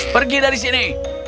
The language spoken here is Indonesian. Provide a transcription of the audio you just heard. pergi dari sini